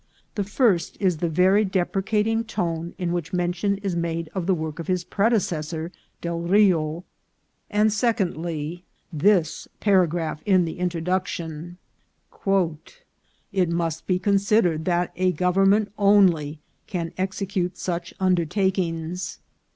The first is the very depreciating tone in which mention is made of the work of his predecessor Del Rio, and, secondly, this paragraph in the introduction :" It must be considered that a government only can execute such undertakings.